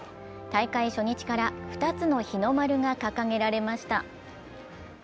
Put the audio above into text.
大会初日から２つの日の丸が掲げられました。